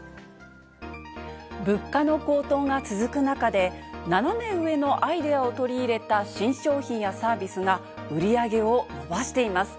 物価の高騰が続く中で、斜め上のアイデアを取り入れた新商品やサービスが、売り上げを伸ばしています。